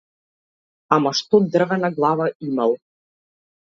Ама што дрвена глава имал.